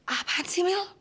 apaan sih mil